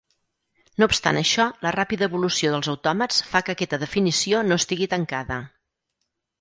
No obstant això, la ràpida evolució dels autòmats fa que aquesta definició no estigui tancada.